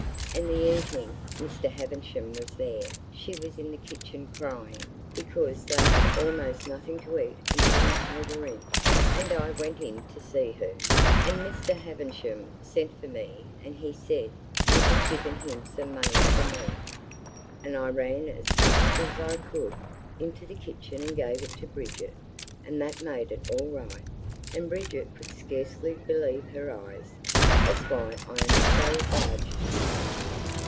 And the evening Mr. Havisham was there, she was in the kitchen crying, because they had almost nothing to eat and couldn't pay the rent; and I went in to see her, and Mr. Havisham sent for me and he said you had given him some money for me. And I ran as fast as I could into the kitchen and gave it to Bridget; and that made it all right; and Bridget could scarcely believe her eyes. That's why I'm so obliged to you."